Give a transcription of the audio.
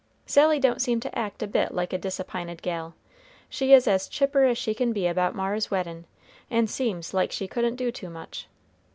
Sally don't seem to act a bit like a disap'inted gal. She is as chipper as she can be about Mara's weddin', and seems like she couldn't do too much.